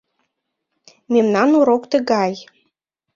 Мемнан урок тыгай.